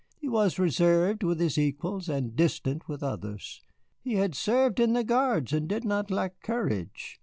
He was reserved with his equals, and distant with others. He had served in the Guards, and did not lack courage.